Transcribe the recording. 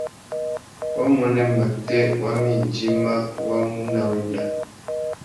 Wamuênê matê wa mà idjima wá mú nà wenda.